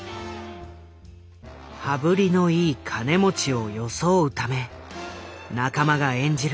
羽振りのいい金持ちを装うため仲間が演じる